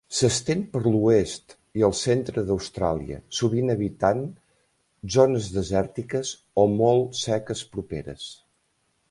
S'estén per l'oest i el centre d'Austràlia, sovint habitant zones desèrtiques o molt seques properes.